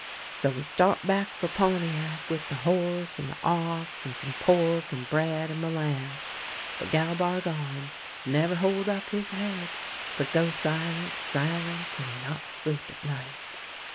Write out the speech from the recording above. " So we start back for Pontiac with the horse and the ox and some pork and bread and molass'. But Gal Bargon never hold up his head, but go silent, silent, and he not sleep at night.